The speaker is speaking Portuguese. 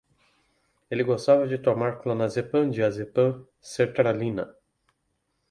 Ele gostava de tomar clonazepam, diazepam e sertralina